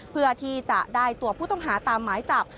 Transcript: เพื่อที่จะได้ตัวผู้ต้องหาตามหมายจับ